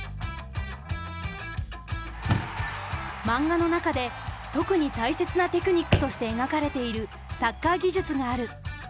マンガの中で特に大切なテクニックとして描かれているサッカー技術がある。